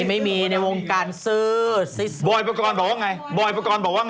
ไม่มีในวงการซื่อ